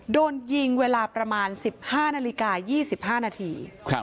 โดนยิงเวลาประมาณ๑๕นาฬิกา๒๕นาที